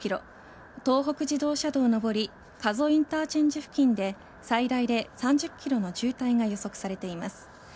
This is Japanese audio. ３５ｋｍ東北自動車道上り加須インターチェンジ付近で最大で３０ｋｍの渋滞が予測されています。